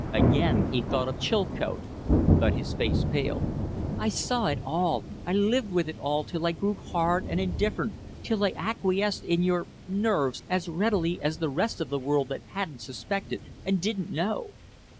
Again he thought of Chilcote, but his face paled. "I saw it all. I lived with it all till I grew hard and indifferent till I acquiesced in your 'nerves' as readily as the rest of the world that hadn't suspected and didn't know."